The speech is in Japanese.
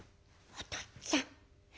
おとっつぁん！」。